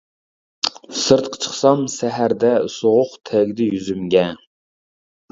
سىرتقا چىقسام سەھەردە، سوغۇق تەگدى يۈزۈمگە.